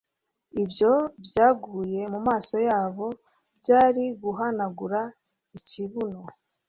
ibyo byaguye mumaso yabo byari guhanagura ikibuno